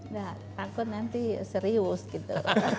takut nanti serius gitu